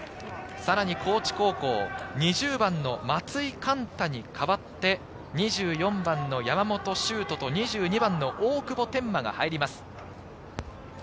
さらに高知高校、２０番の松井貫太に代わって、２４番の山本愁斗と２２番の大久保天満が入ります。